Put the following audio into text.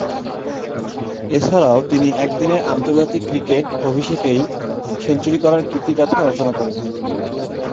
এছাড়াও তিনি একদিনের আন্তর্জাতিক ক্রিকেট অভিষেকেই সেঞ্চুরি করার কীর্তিগাঁথা রচনা করেন।